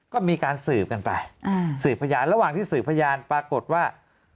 ก็มีการสืบกันไปสืบพยานระหว่างที่สืบพยานปรากฏว่า